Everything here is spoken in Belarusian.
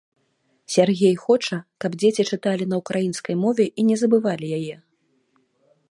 Сяргей хоча, каб дзеці чыталі на ўкраінскай мове і не забывалі яе.